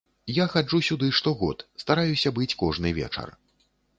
Я хаджу сюды штогод, стараюся быць кожны вечар.